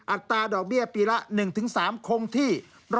อัตราดอกเบี้ยปีละ๑๓คงที่